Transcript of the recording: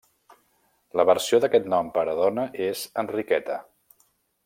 La versió d'aquest nom per a dona és Enriqueta.